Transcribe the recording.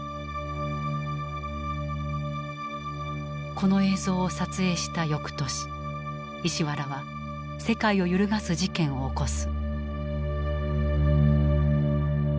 この映像を撮影した翌年石原は世界を揺るがす事件を起こす。